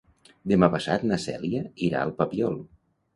Demà passat na Cèlia irà al Papiol.